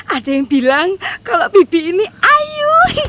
ada yang bilang kalau bibi ini ayo